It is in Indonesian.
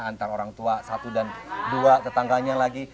antara orang tua satu dan dua tetangganya lagi